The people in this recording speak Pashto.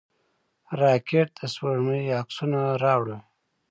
راکټ د سپوږمۍ عکسونه راوړل